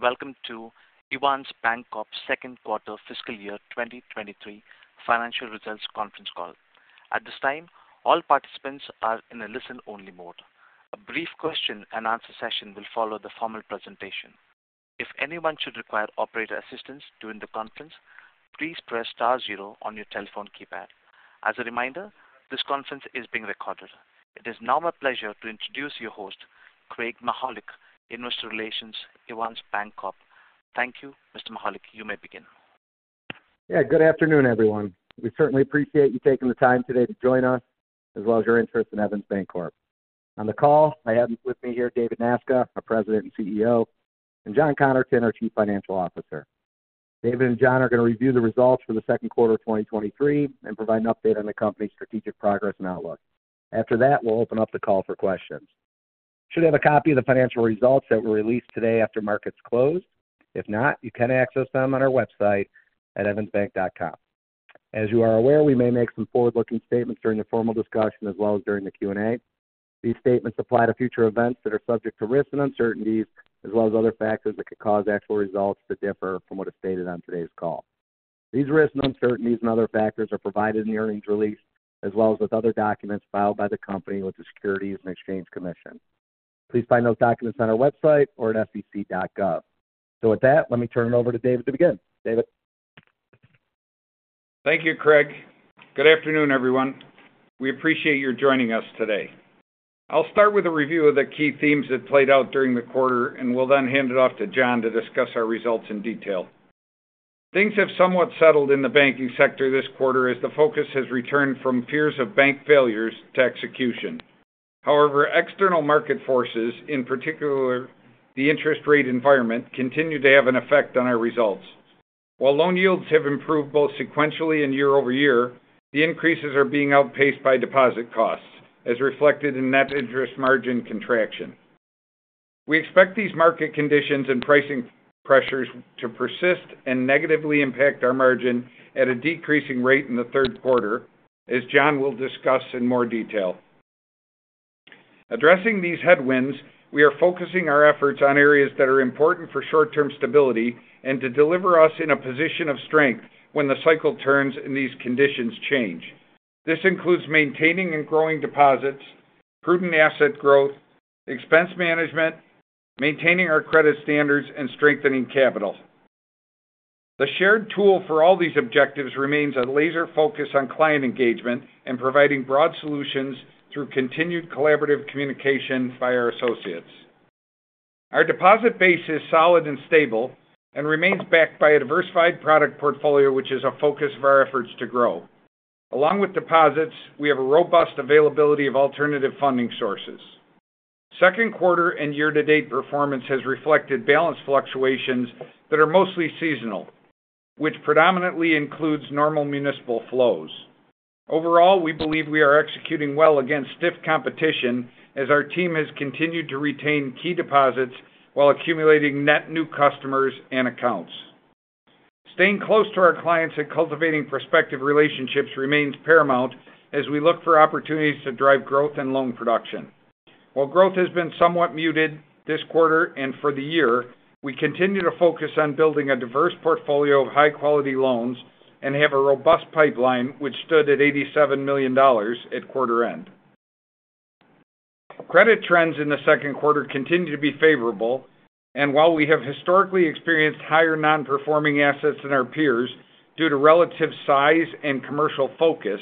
Welcome to Evans Bancorp's Second Quarter Fiscal Year, 2023 Financial Results Conference Call. At this time, all participants are in a listen-only mode. A brief question-and-answer session will follow the formal presentation. If anyone should require operator assistance during the conference, please press star zero on your telephone keypad. As a reminder, this conference is being recorded. It is now my pleasure to introduce your host, Craig Mychajluk, Investor Relations, Evans Bancorp. Thank you, Mr. Mychajluk. You may begin. Yeah, good afternoon, everyone. We certainly appreciate you taking the time today to join us, as well as your interest in Evans Bancorp. On the call, I have with me here David Nasca, our President and CEO, and John Connerton, our Chief Financial Officer. David and John are going to review the results for the second quarter of 2023 and provide an update on the company's strategic progress and outlook. After that, we'll open up the call for questions. You should have a copy of the financial results that were released today after markets closed. If not, you can access them on our website at evansbank.com. As you are aware, we may make some forward-looking statements during the formal discussion as well as during the Q&A. These statements apply to future events that are subject to risks and uncertainties, as well as other factors that could cause actual results to differ from what is stated on today's call. These risks and uncertainties and other factors are provided in the earnings release, as well as with other documents filed by the company with the Securities and Exchange Commission. Please find those documents on our website or at sec.gov. With that, let me turn it over to David to begin. David? Thank you, Craig. Good afternoon, everyone. We appreciate your joining us today. I'll start with a review of the key themes that played out during the quarter. We'll then hand it off to John to discuss our results in detail. Things have somewhat settled in the banking sector this quarter as the focus has returned from fears of bank failures to execution. However, external market forces, in particular, the interest rate environment, continue to have an effect on our results. While loan yields have improved both sequentially and year-over-year, the increases are being outpaced by deposit costs, as reflected in net interest margin contraction. We expect these market conditions and pricing pressures to persist and negatively impact our margin at a decreasing rate in the third quarter, as John will discuss in more detail. Addressing these headwinds, we are focusing our efforts on areas that are important for short-term stability and to deliver us in a position of strength when the cycle turns and these conditions change. This includes maintaining and growing deposits, prudent asset growth, expense management, maintaining our credit standards, and strengthening capital. The shared tool for all these objectives remains a laser focus on client engagement and providing broad solutions through continued collaborative communication by our associates. Our deposit base is solid and stable and remains backed by a diversified product portfolio, which is a focus of our efforts to grow. Along with deposits, we have a robust availability of alternative funding sources. Second quarter and year-to-date performance has reflected balance fluctuations that are mostly seasonal, which predominantly includes normal municipal flows. Overall, we believe we are executing well against stiff competition as our team has continued to retain key deposits while accumulating net new customers and accounts. Staying close to our clients and cultivating prospective relationships remains paramount as we look for opportunities to drive growth and loan production. While growth has been somewhat muted this quarter and for the year, we continue to focus on building a diverse portfolio of high-quality loans and have a robust pipeline, which stood at $87 million at quarter end. Credit trends in the second quarter continue to be favorable, and while we have historically experienced higher non-performing assets than our peers due to relative size and commercial focus,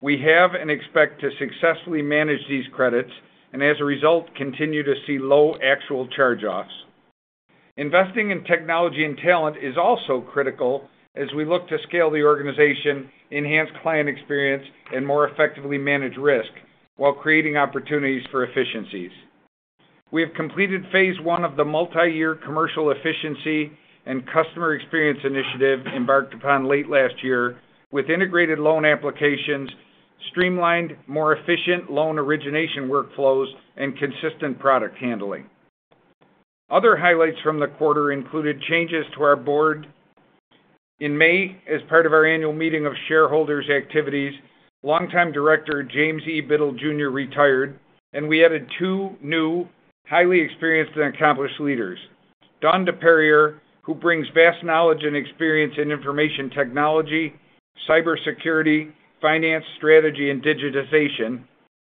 we have and expect to successfully manage these credits and as a result, continue to see low actual charge-offs. Investing in technology and talent is also critical as we look to scale the organization, enhance client experience, and more effectively manage risk while creating opportunities for efficiencies. We have completed phase one of the multi-year commercial efficiency and customer experience initiative, embarked upon late last year with integrated loan applications, streamlined, more efficient loan origination workflows, and consistent product handling. Other highlights from the quarter included changes to our board. In May, as part of our annual meeting of shareholders' activities, longtime director James E. Biddle, Jr. retired, and we added two new highly experienced and accomplished leaders. Dawn DePerrior, who brings vast knowledge and experience in information technology, cybersecurity, finance, strategy, and digitization,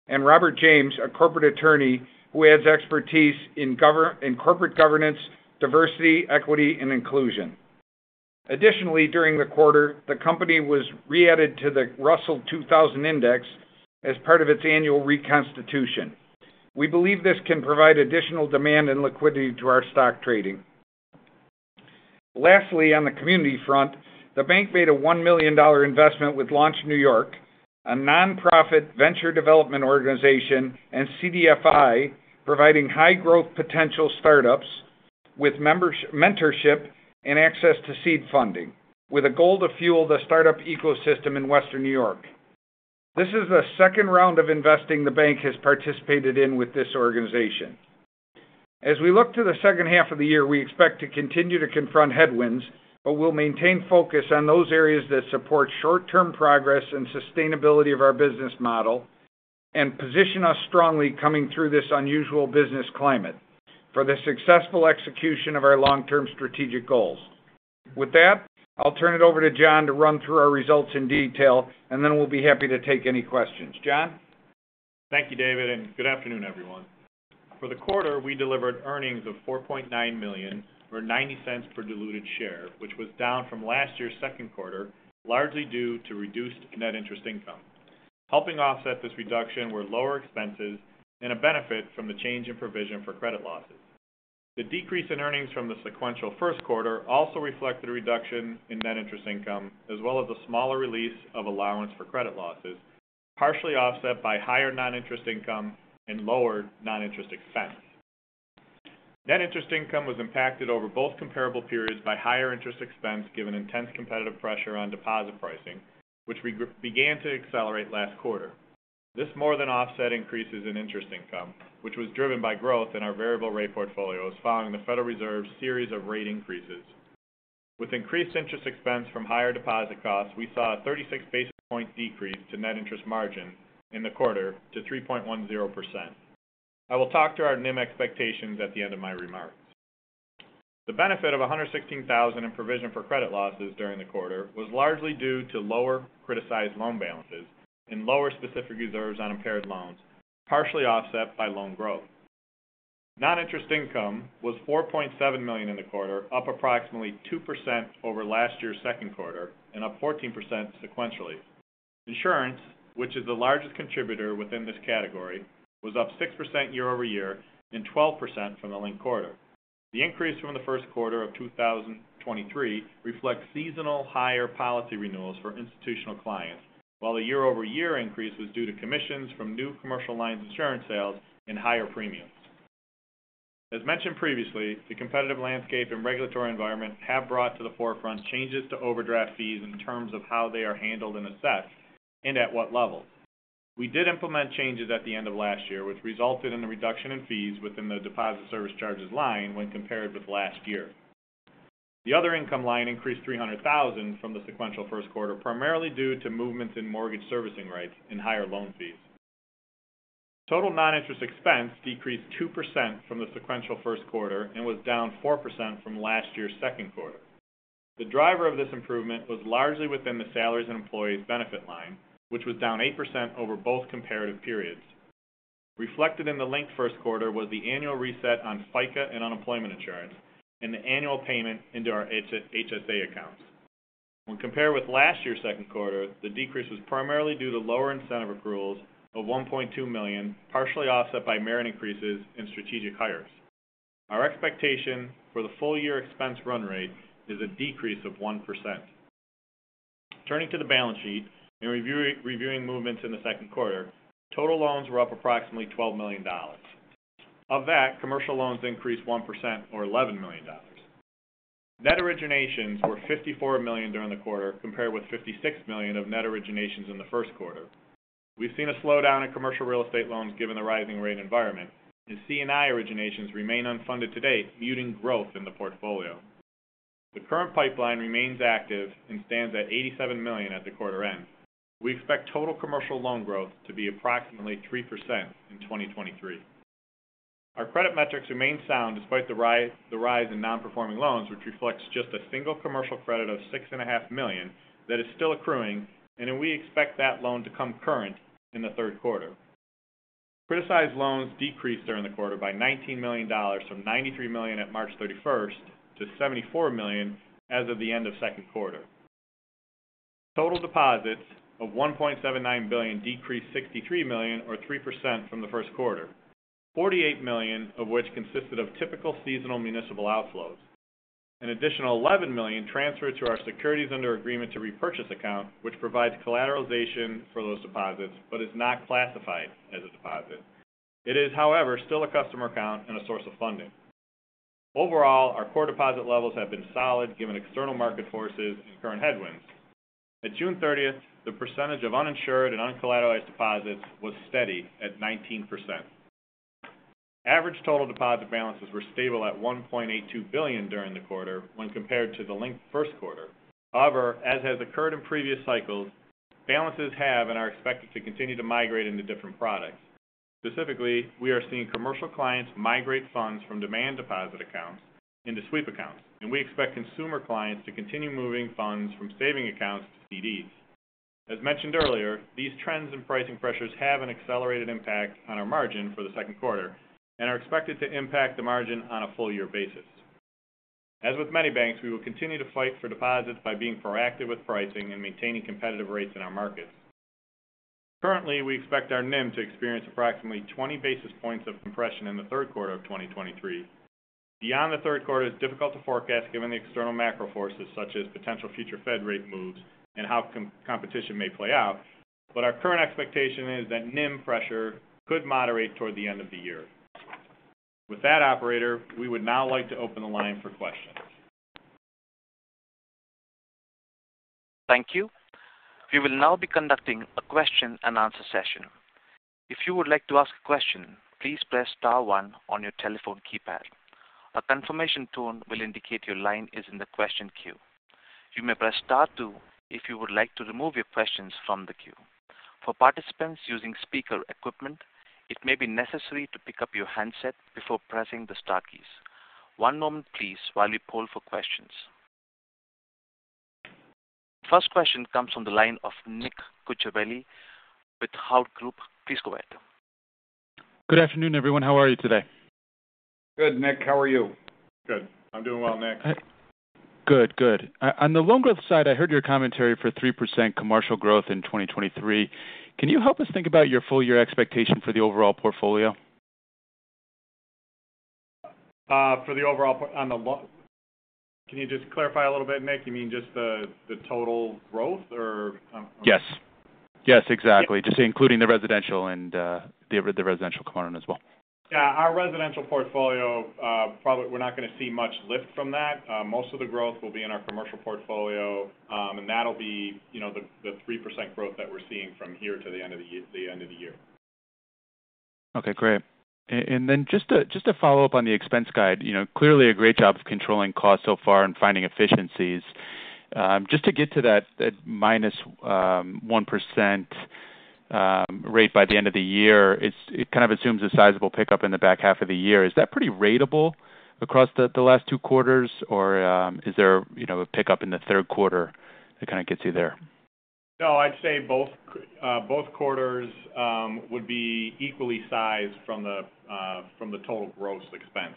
and Robert James, a corporate attorney, who adds expertise in corporate governance, diversity, equity, and inclusion. Additionally, during the quarter, the company was re-added to the Russell 2000 Index as part of its annual reconstitution. We believe this can provide additional demand and liquidity to our stock trading. Lastly, on the community front, the bank made a $1 million investment with Launch New York, a nonprofit venture development organization and CDFI, providing high growth potential startups with mentorship and access to seed funding, with a goal to fuel the startup ecosystem in Western New York. This is the second round of investing the bank has participated in with this organization. As we look to the second half of the year, we expect to continue to confront headwinds, but we'll maintain focus on those areas that support short-term progress and sustainability of our business model and position us strongly coming through this unusual business climate for the successful execution of our long-term strategic goals. With that, I'll turn it over to John to run through our results in detail, and then we'll be happy to take any questions. John? Thank you, David. Good afternoon, everyone. For the quarter, we delivered earnings of $4.9 million, or $0.90 per diluted share, which was down from last year's second quarter, largely due to reduced net interest income. Helping offset this reduction were lower expenses and a benefit from the change in provision for credit losses. The decrease in earnings from the sequential first quarter also reflected a reduction in net interest income, as well as a smaller release of allowance for credit losses, partially offset by higher non-interest income and lower non-interest expense. Net interest income was impacted over both comparable periods by higher interest expense, given intense competitive pressure on deposit pricing, which began to accelerate last quarter. This more than offset increases in interest income, which was driven by growth in our variable rate portfolios, following the Federal Reserve's series of rate increases. With increased interest expense from higher deposit costs, we saw a 36 basis point decrease to net interest margin in the quarter to 3.10%. I will talk to our NIM expectations at the end of my remarks. The benefit of $116,000 in provision for credit losses during the quarter was largely due to lower criticized loan balances and lower specific reserves on impaired loans, partially offset by loan growth. Non-interest income was $4.7 million in the quarter, up approximately 2% over last year's second quarter and up 14% sequentially. Insurance, which is the largest contributor within this category, was up 6% year-over-year and 12% from the linked quarter. The increase from the first quarter of 2023 reflects seasonal higher policy renewals for institutional clients, while the year-over-year increase was due to commissions from new commercial lines insurance sales and higher premiums. As mentioned previously, the competitive landscape and regulatory environment have brought to the forefront changes to overdraft fees in terms of how they are handled and assessed and at what level. We did implement changes at the end of last year, which resulted in a reduction in fees within the deposit service charges line when compared with last year. The other income line increased $300,000 from the sequential first quarter, primarily due to movements in mortgage servicing rates and higher loan fees. Total non-interest expense decreased 2% from the sequential first quarter and was down 4% from last year's second quarter. The driver of this improvement was largely within the salaries and employees benefit line, which was down 8% over both comparative periods. Reflected in the linked first quarter was the annual reset on FICA and unemployment insurance and the annual payment into our HSA accounts. When compared with last year's second quarter, the decrease was primarily due to lower incentive accruals of $1.2 million, partially offset by merit increases in strategic hires. Our expectation for the full-year expense run rate is a decrease of 1%. Turning to the balance sheet and reviewing movements in the second quarter, total loans were up approximately $12 million. Of that, commercial loans increased 1% or $11 million. Net originations were $54 million during the quarter, compared with $56 million of net originations in the first quarter. We've seen a slowdown in commercial real estate loans given the rising rate environment, and C&I originations remain unfunded to date, muting growth in the portfolio. The current pipeline remains active and stands at $87 million at the quarter end. We expect total commercial loan growth to be approximately 3% in 2023. Our credit metrics remain sound despite the rise, the rise in nonperforming loans, which reflects just a single commercial credit of $6.5 million that is still accruing, and then we expect that loan to come current in the third quarter. Criticized loans decreased during the quarter by $19 million from $93 million at March 31st to $74 million as of the end of second quarter. Total deposits of $1.79 billion decreased $63 million, or 3% from the first quarter, $48 million of which consisted of typical seasonal municipal outflows. An additional $11 million transferred to our securities under agreement to repurchase account, which provides collateralization for those deposits, but is not classified as a deposit. It is, however, still a customer account and a source of funding. Overall, our core deposit levels have been solid given external market forces and current headwinds. At June 30th, the percentage of uninsured and uncollateralized deposits was steady at 19%. Average total deposit balances were stable at $1.82 billion during the quarter when compared to the linked first quarter. As has occurred in previous cycles, balances have and are expected to continue to migrate into different products. Specifically, we are seeing commercial clients migrate funds from demand deposit accounts into sweep accounts, and we expect consumer clients to continue moving funds from saving accounts to CDs. As mentioned earlier, these trends and pricing pressures have an accelerated impact on our margin for the second quarter and are expected to impact the margin on a full-year basis. As with many banks, we will continue to fight for deposits by being proactive with pricing and maintaining competitive rates in our markets. Currently, we expect our NIM to experience approximately 20 basis points of compression in the third quarter of 2023. Beyond the third quarter, it's difficult to forecast given the external macro forces, such as potential future Fed rate moves and how competition may play out, but our current expectation is that NIM pressure could moderate toward the end of the year. With that, operator, we would now like to open the line for questions. Thank you. We will now be conducting a question-and-answer session. If you would like to ask a question, please press star one on your telephone keypad. A confirmation tone will indicate your line is in the question queue. You may press star two if you would like to remove your questions from the queue. For participants using speaker equipment, it may be necessary to pick up your handset before pressing the star keys. One moment please, while we poll for questions. First question comes from the line of Nick Cucharale with Hovde Group. Please go ahead. Good afternoon, everyone. How are you today? Good, Nick. How are you? Good. I'm doing well, Nick. Good. Good. On the loan growth side, I heard your commentary for 3% commercial growth in 2023. Can you help us think about your full year expectation for the overall portfolio? For the overall on the lo, can you just clarify a little bit, Nick? You mean just the, the total growth or. Yes. Yes, exactly. Just including the residential and, the, the residential component as well. Yeah, our residential portfolio, probably we're not going to see much lift from that. Most of the growth will be in our commercial portfolio, and that'll be, you know, the, the 3% growth that we're seeing from here to the end of the year, the end of the year. Okay, great. Just to, just to follow up on the expense guide, you know, clearly a great job of controlling costs so far and finding efficiencies. Just to get to that, that minus 1% rate by the end of the year, it kind of assumes a sizable pickup in the back half of the year. Is that pretty ratable across the, the last two quarters, or, is there, you know, a pickup in the third quarter that kind of gets you there? No, I'd say both, both quarters, would be equally sized from the, from the total gross expense.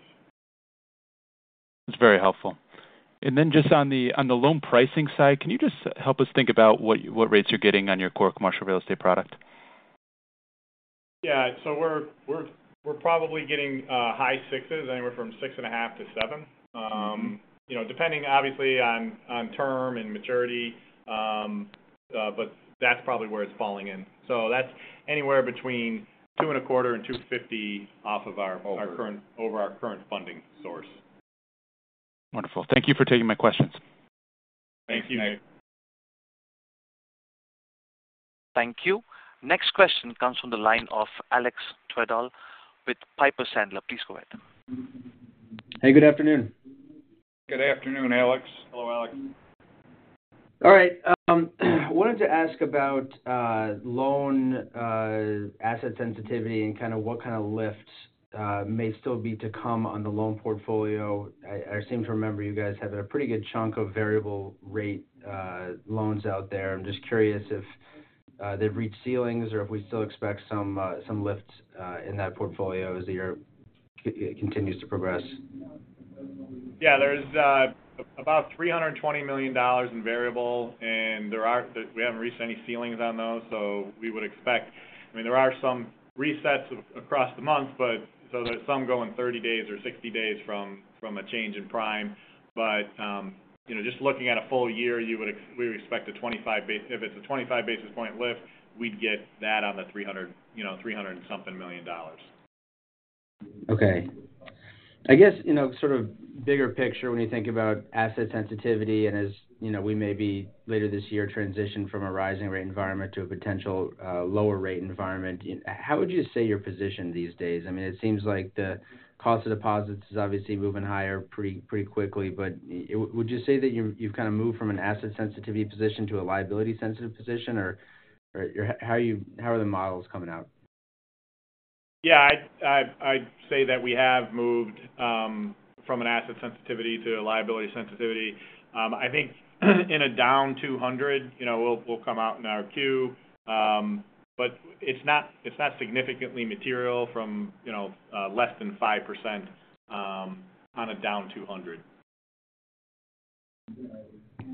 That's very helpful. Then just on the loan pricing side, can you just help us think about what rates you're getting on your CORE Commercial Real Estate product? Yeah. We're, we're, we're probably getting high 6s, anywhere from 6.5%-7%. You know, depending obviously on, on term and maturity, but that's probably where it's falling in. That's anywhere between 2.25% and 2.50% off of our- Over Current, over our current funding source. Wonderful. Thank you for taking my questions. Thank you, Nick. Thank you. Next question comes from the line of Alex Twerdahl with Piper Sandler. Please go ahead. Hey, good afternoon. Good afternoon, Alex. Hello, Alex. All right, I wanted to ask about loan asset sensitivity and kind of what kind of lifts may still be to come on the loan portfolio. I, I seem to remember you guys have a pretty good chunk of variable rate loans out there. I'm just curious if they've reached ceilings or if we still expect some some lifts in that portfolio as the year continues to progress? Yeah, there's about $320 million in variable, we haven't reached any ceilings on those, we would expect. I mean, there are some resets across the month, so there's some going 30 days or 60 days from, from a change in prime. You know, just looking at a full year, we expect a 25 basis point lift, we'd get that on the 300, you know, 300 and something million dollars. Okay. I guess, you know, sort of bigger picture when you think about asset sensitivity and as, you know, we may be later this year, transition from a rising rate environment to a potential lower rate environment, how would you say you're positioned these days? I mean, it seems like the cost of deposits is obviously moving higher pretty, pretty quickly, but would you say that you, you've kind of moved from an asset sensitivity position to a liability sensitive position, or, or how are the models coming out? Yeah, I'd, I'd, I'd say that we have moved, from an asset sensitivity to a liability sensitivity. I think in a down 200, you know, we'll, we'll come out in our two, but it's not, it's not significantly material from, you know, less than 5%, on a down 200.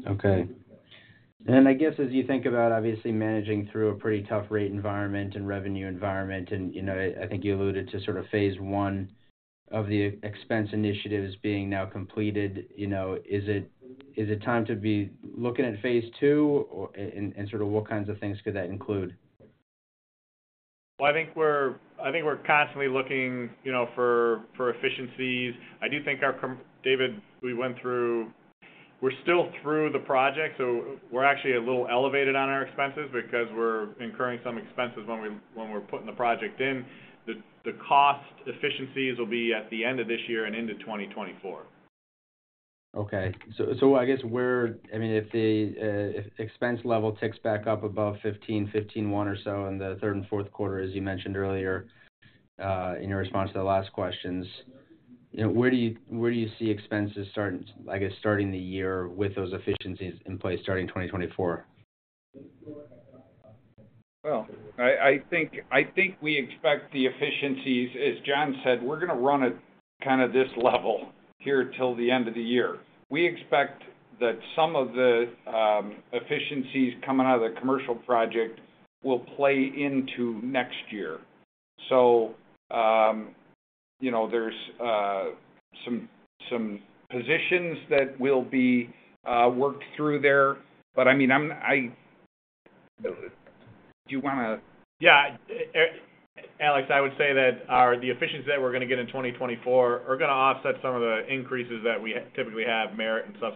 Okay. I guess as you think about obviously managing through a pretty tough rate environment and revenue environment, and, you know, I think you alluded to sort of phase one of the expense initiatives being now completed, you know, is it, is it time to be looking at phase two, or and, and sort of what kinds of things could that include? I think we're, I think we're constantly looking, you know, for, for efficiencies. I do think our David, we went through, we're still through the project, so we're actually a little elevated on our expenses because we're incurring some expenses when we, when we're putting the project in. The, the cost efficiencies will be at the end of this year and into 2024. Okay. I guess where-- I mean, if the expense level ticks back up above $15 million, $15.1 million or so in the third and fourth quarter, as you mentioned earlier, in your response to the last questions, you know, where do you, where do you see expenses starting, I guess, starting the year with those efficiencies in place starting in 2024? Well, I, I think, I think we expect the efficiencies, as John said, we're going to run at kind of this level here till the end of the year. We expect that some of the efficiencies coming out of the commercial project will play into next year. You know, there's some, some positions that will be worked through there. I mean, I'm, I... Do you want to- Yeah. Alex, I would say that our, the efficiencies that we're going to get in 2024 are going to offset some of the increases that we typically have, merit and stuff.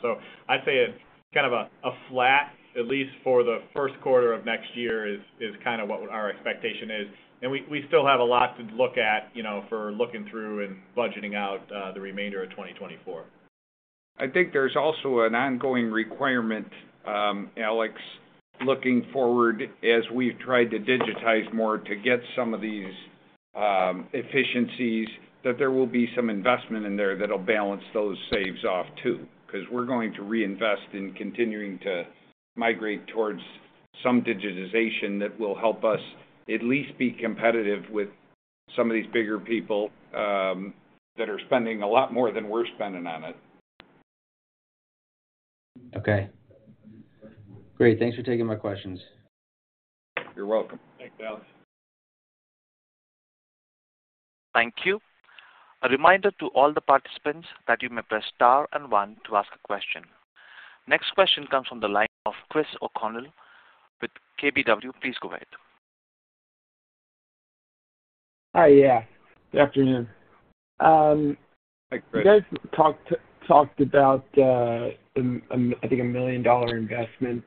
I'd say it's kind of a, a flat, at least for the first quarter of next year, is, is kind of what our expectation is, and we, we still have a lot to look at, you know, for looking through and budgeting out the remainder of 2024. I think there's also an ongoing requirement, Alex, looking forward as we've tried to digitize more to get some of these efficiencies, that there will be some investment in there that'll balance those saves off, too. 'Cause we're going to reinvest in continuing to migrate towards some digitization that will help us at least be competitive with some of these bigger people, that are spending a lot more than we're spending on it. Okay. Great. Thanks for taking my questions. You're welcome. Thanks, Alex. Thank you. A reminder to all the participants that you may press star and one to ask a question. Next question comes from the line of Chris O'Connell with KBW. Please go ahead. Hi. Yeah, good afternoon. Hi, Chris. You guys talked, talked about, I think a $1 million investment,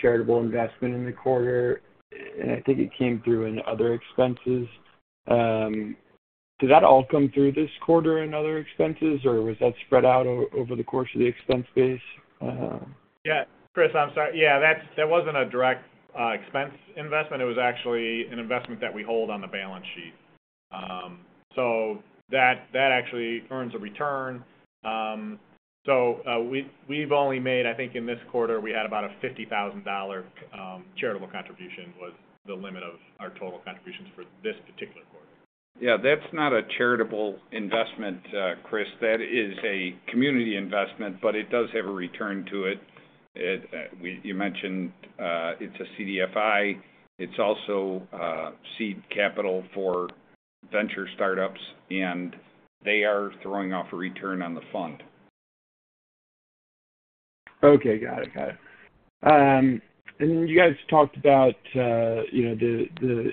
charitable investment in the quarter, and I think it came through in other expenses. Did that all come through this quarter in other expenses, or was that spread out over the course of the expense base? Yeah. Chris, I'm sorry. Yeah, That wasn't a direct expense investment. It was actually an investment that we hold on the balance sheet. That, that actually earns a return. We, we've only made, I think, in this quarter, we had about a $50,000 charitable contribution, was the limit of our total contributions for this particular quarter. Yeah, that's not a charitable investment, Chris. That is a community investment, but it does have a return to it. It. You mentioned, it's a CDFI. It's also a seed capital for venture startups, and they are throwing off a return on the fund. Okay. Got it. Got it. You guys talked about, you know, the, the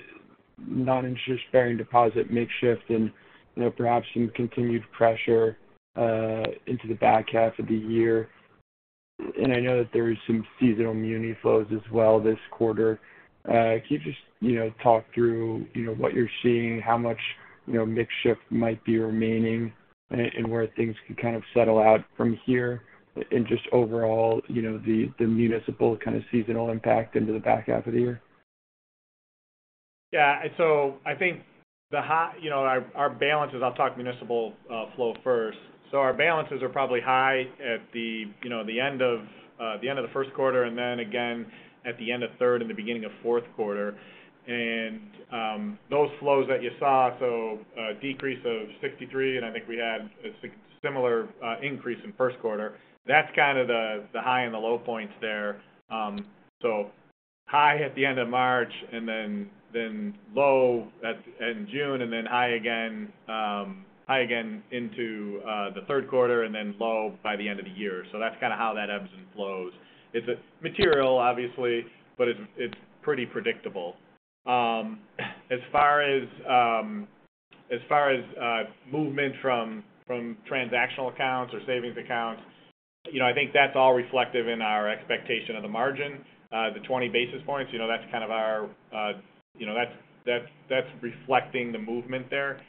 non-interest bearing deposit mix shift and, you know, perhaps some continued pressure, into the back half of the year. I know that there is some seasonal muni flows as well this quarter. Can you just, you know, talk through, you know, what you're seeing, how much, you know, mix shift might be remaining, and where things can kind of settle out from here and just overall, you know, the, the municipal kind of seasonal impact into the back half of the year? Yeah. I think the high-- you know, our, our balances... I'll talk municipal flow first. Our balances are probably high at the, you know, the end of the end of the first quarter and then again at the end of third and the beginning of fourth quarter. Those flows that you saw, so a decrease of $63, and I think we had a similar increase in first quarter, that's kind of the, the high and the low points there. High at the end of March and then, then low at, in June, and then high again, high again into the third quarter and then low by the end of the year. That's kind of how that ebbs and flows. It's material, obviously, but it's, it's pretty predictable. As far as, as far as movement from, from transactional accounts or savings accounts, you know, I think that's all reflective in our expectation of the margin. The 20 basis points, you know, that's kind of our, you know, that's, that's, that's reflecting the movement there.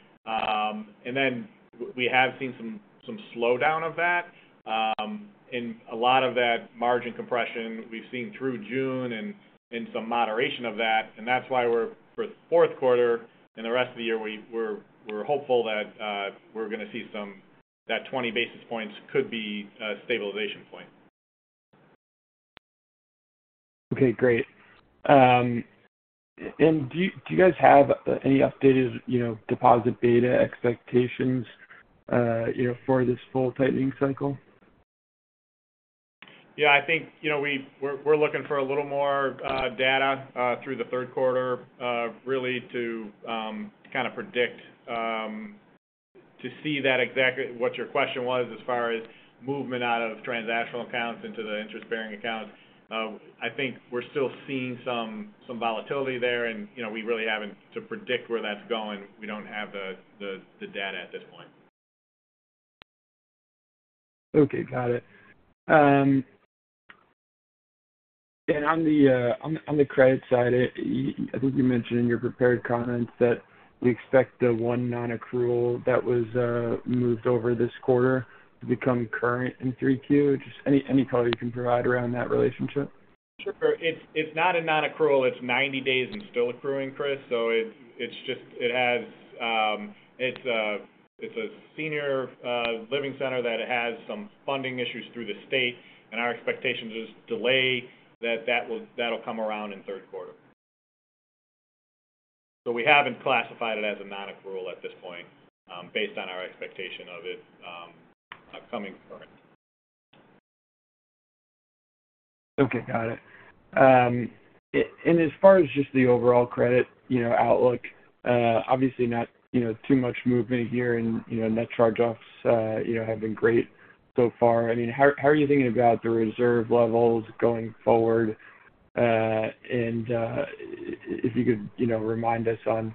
Then we have seen some, some slowdown of that. A lot of that margin compression we've seen through June and, and some moderation of that, and that's why we're, for the fourth quarter and the rest of the year, we're, we're hopeful that we're going to see that 20 basis points could be a stabilization point. Okay, great. Do you, do you guys have any updated, you know, deposit beta expectations, you know, for this full tightening cycle? Yeah, I think, you know, we're, we're looking for a little more data through the third quarter really to kind of predict to see that exactly what your question was as far as movement out of transactional accounts into the interest-bearing accounts. I think we're still seeing some, some volatility there, and, you know, we really haven't -- to predict where that's going, we don't have the, the, the data at this point. Okay. Got it. On the credit side, I think you mentioned in your prepared comments that we expect the one nonaccrual that was moved over this quarter to become current in 3Q. Just any, any color you can provide around that relationship? Sure. It's, it's not a nonaccrual. It's 90 days and still accruing, Chris. It's just, it has, it's a senior living center that has some funding issues through the state, and our expectation is delay, that that will that'll come around in third quarter. We haven't classified it as a nonaccrual at this point, based on our expectation of it, upcoming current. Okay. Got it. And as far as just the overall credit, you know, outlook, obviously not, you know, too much movement here and, you know, net charge-offs, you know, have been great so far. I mean, how, how are you thinking about the reserve levels going forward? And if you could, you know, remind us on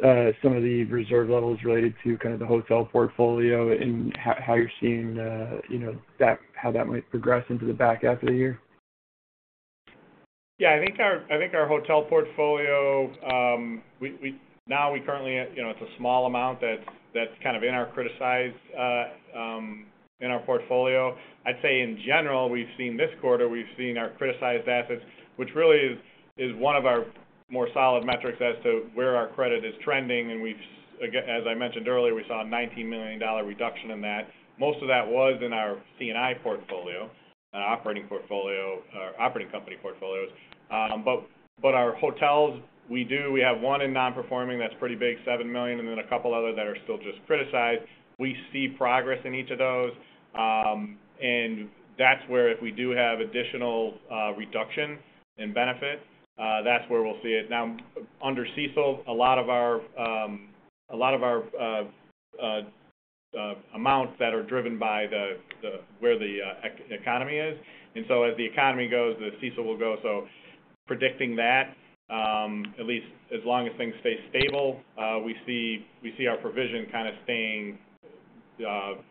some of the reserve levels related to kind of the hotel portfolio and how you're seeing, you know, how that might progress into the back half of the year? Yeah, I think our, I think our hotel portfolio, we, we now we currently, you know, it's a small amount that's, that's kind of in our criticized, in our portfolio. I'd say in general, we've seen this quarter, we've seen our criticized assets, which really is, is one of our more solid metrics as to where our credit is trending. We've, again, as I mentioned earlier, we saw a $19 million reduction in that. Most of that was in our C&I portfolio, operating portfolio or operating company portfolios. Our hotels, we do. We have one in non-performing that's pretty big, $7 million, and then two other that are still just criticized. We see progress in each of those, and that's where if we do have additional, reduction in benefit, that's where we'll see it. Now, under CECL, a lot of our, a lot of our, amounts that are driven by the, the where the economy is. So as the economy goes, the CECL will go. So predicting that, at least as long as things stay stable, we see, we see our provision kind of staying,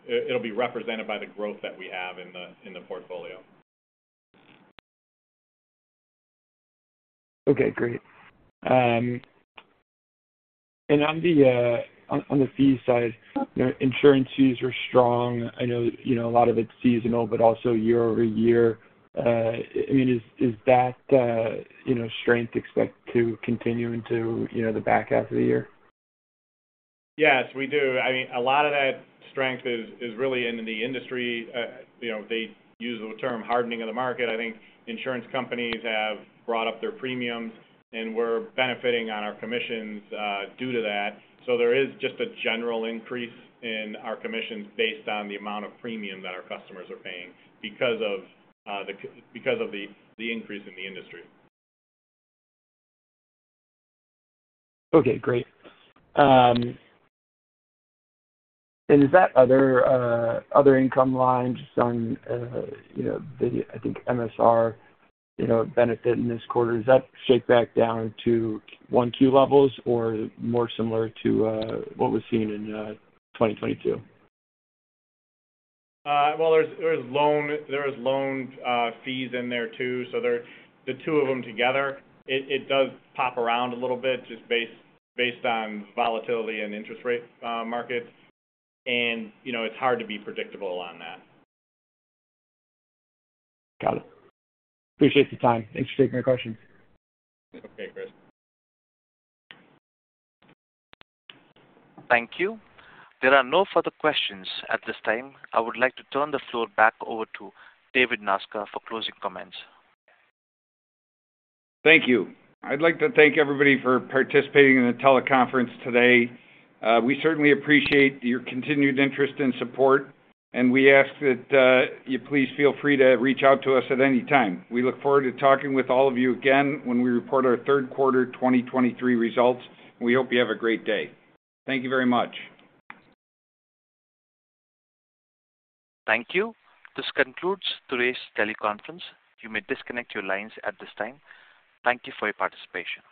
it'll be represented by the growth that we have in the, in the portfolio. Okay, great. On the, on, on the fee side, insurance fees are strong. I know, you know, a lot of it's seasonal, but also year-over-year, I mean, is, is that, you know, strength expect to continue into, you know, the back half of the year? Yes, we do. I mean, a lot of that strength is, is really in the industry. You know, they use the term hardening of the market. I think insurance companies have brought up their premiums, and we're benefiting on our commissions, due to that. There is just a general increase in our commissions based on the amount of premium that our customers are paying because of, because of the increase in the industry. Okay, great. Is that other, other income line just on MSR benefit in this quarter, is that straight back down to 1Q levels or more similar to what was seen in 2022? Well, there's, there's loan, there is loan, fees in there too. They're the two of them together, it does pop around a little bit just based on volatility and interest rate, markets, and, you know, it's hard to be predictable on that. Got it. Appreciate the time. Thanks for taking my question. Okay, Chris. Thank you. There are no further questions at this time. I would like to turn the floor back over to David Nasca for closing comments. Thank you. I'd like to thank everybody for participating in the teleconference today. We certainly appreciate your continued interest and support. We ask that you please feel free to reach out to us at any time. We look forward to talking with all of you again when we report our third quarter 2023 results. We hope you have a great day. Thank you very much. Thank you. This concludes today's teleconference. You may disconnect your lines at this time. Thank you for your participation.